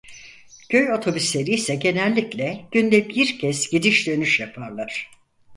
Köy otobüsleri ise genellikle günde bir kez gidiş dönüş yaparlar.